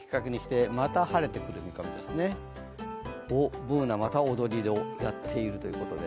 Ｂｏｏｎａ、また踊りをやっているということで。